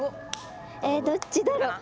えどっちだろう？